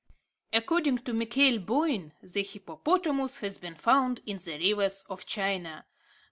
According to Michael Boyn, the hippopotamus has been found in the rivers of China.